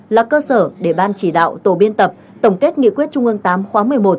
là cơ sở để ban chỉ đạo tổ biên tập tổng kết nghị quyết trung ương viii khóa một mươi một